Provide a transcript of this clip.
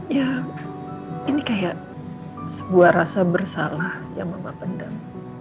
ya ini kayak sebuah rasa bersalah yang mama pendam